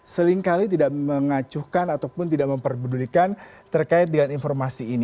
sering kali tidak mengacuhkan ataupun tidak memperbedulikan terkait dengan informasi ini